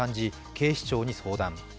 警視庁に相談。